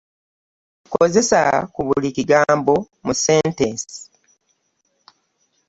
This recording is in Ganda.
Kozesa ku buli kigambo mu sentensi.